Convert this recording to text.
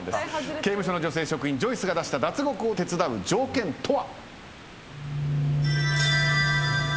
刑務所の女性職員ジョイスが出した脱獄を手伝う条件とは。